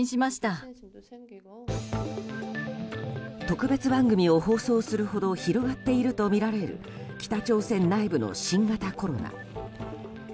特別番組を放送するほど広がっているとみられる北朝鮮内部の新型コロナ。